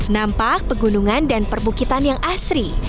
nampak pegunungan dan perbukitan yang asri